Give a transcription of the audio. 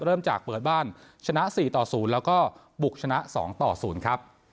เริ่มจากเปิดบ้านชนะ๔ต่อ๐แล้วก็บุกชนะ๒ต่อ๐ครับ